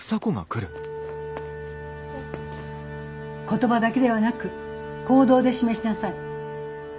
言葉だけではなく行動で示しなさい。